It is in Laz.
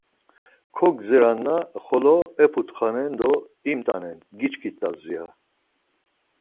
Kogdziranna xolo eputxanen do imt̆anen giçkit̆as ya.